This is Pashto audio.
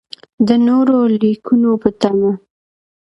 د نورو لیکنو په تمه.